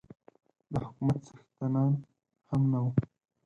د حکومت څښتنان هم نه وو.